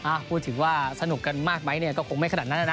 พูดถึงว่าสนุกกันมากไหมเนี่ยก็คงไม่ขนาดนั้นนะ